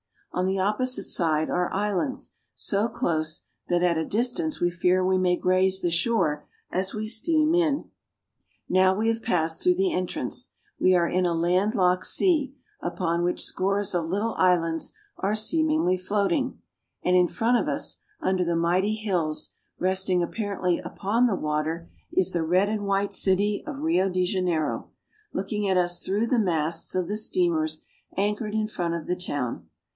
On the op posite side are islands so close that at a distance we fear we may graze the shore as we steam in. Now we have passed through the entrance. We are in a landlocked sea, upon which scores of little islands are seemingly floating, and in front of us, under the mighty hills, resting apparently upon the water, is the red and RIO DE JANEIRO. 269 white city of Rio de Janeiro, looking at us through the masts of the steamers anchored in front of the town.